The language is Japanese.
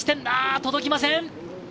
届きません。